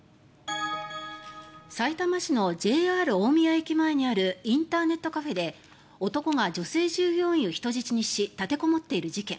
さいたま市のＪＲ大宮駅前にあるインターネットカフェで男が女性従業員を人質にし立てこもっている事件。